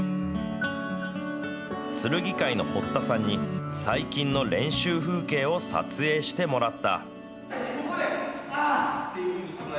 剣会の堀田さんに、最近の練習風景を撮影してもらった。